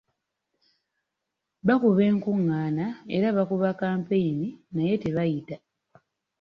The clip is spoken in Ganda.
Bakuba enkungaana era bakuba kkampeyini naye tabayita.